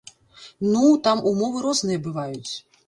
Ну, там умовы розныя бываюць.